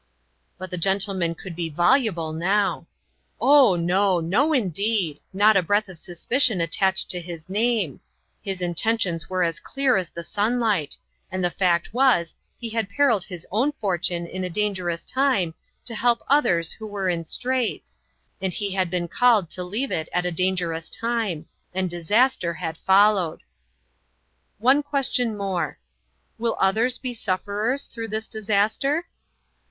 But the gentlemen could be voluble now :" Oh, no ! no, indeed ! not a breath of sus picion attached to his name. His intentions 34 INTERRUPTED. were as clear as the sunlight, and the fact was, he had periled his own fortune in a dangerous time, to help others who were in straits, and he had been called to leave it at a dangerous time, and disaster has followed." One question more : "Will others be sufferers through this dis aster